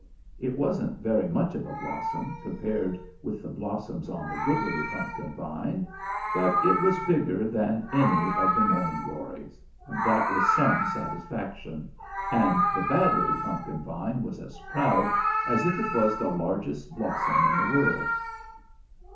It wasn't very much of a blossom compared with the blossoms on the good little pumpkin vine, but it was bigger than any of the morning glories, and that was some satisfaction, and the bad little pumpkin vine was as proud as if it was the largest blossom in the world.